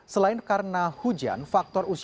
selain karena hujan faktor usia berkurangan lebih tinggi